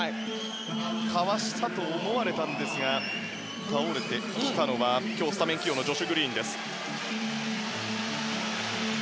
かわしたと思われたんですが倒れてきたのは今日スタメン起用のジョシュ・グリーン。